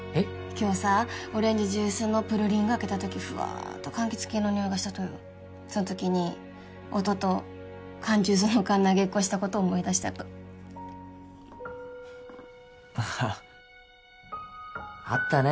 今日さオレンジジュースのプルリング開けた時ふわっと柑橘系の匂いがしたとよそん時に音と缶ジュースの缶投げっこしたこと思い出したとあああったね